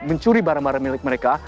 mencuri barang barang milik mereka